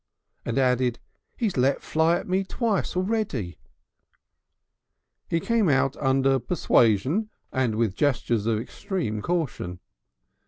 and added: "He's let fly at me twice already." He came out under persuasion and with gestures of extreme caution.